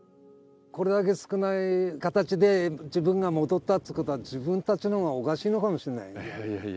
これだけ少ない形で自分が戻ったということは、自分たちのほうがおかしいのかもしんないね。